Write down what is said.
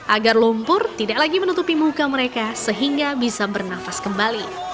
agar lumpur tidak lagi menutupi muka mereka sehingga bisa bernafas kembali